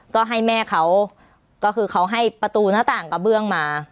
ก็ให้แม่เขาก็คือเขาให้ประตูหน้าต่างกระเบื้องมา